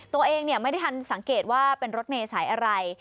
ตัวเองไม่ได้ทันสังเกตว่าเป็นรถเมย์สายอะไร